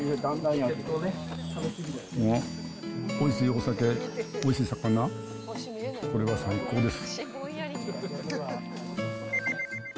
おいしいお酒、おいしいさかな、これは最高です。